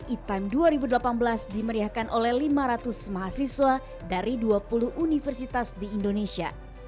e time dua ribu delapan belas dimeriahkan oleh lima ratus mahasiswa dari dua puluh universitas di indonesia